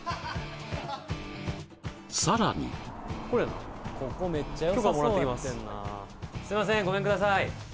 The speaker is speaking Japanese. なんとさらにすいませんごめんください